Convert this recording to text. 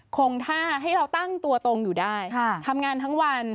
คงท่าให้เราตั้งตัวตรงอยู่ได้ทำงานทั้งวัน